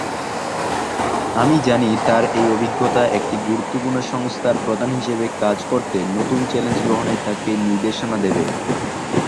আমি জানি তার এই অভিজ্ঞতা একটি গুরুত্বপূর্ণ সংস্থার প্রধান হিসেবে কাজ করতে নতুন চ্যালেঞ্জ গ্রহণে তাকে নির্দেশনা দেবে।